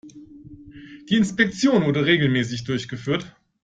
Die Inspektion wurde regelmäßig durchgeführt.